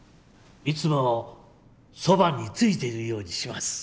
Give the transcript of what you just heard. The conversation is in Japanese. いつもそばについているようにします。